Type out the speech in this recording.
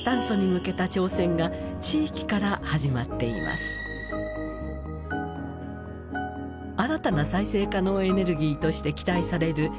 新たな再生可能エネルギーとして期待される洋上風力発電。